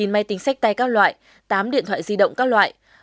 chín máy tính sách tay các loại tám điện thoại di động các loại